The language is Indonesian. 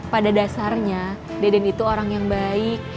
pada dasarnya deden itu orang yang baik